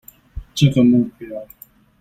這個目標